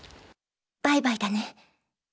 バイバイだね。